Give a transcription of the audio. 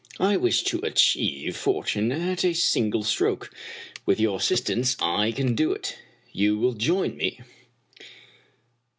I wish to achieve fortune at a single stroke. With your assistance I can do it. You will join me